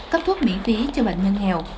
cấp thuốc miễn phí cho bệnh nhân nghèo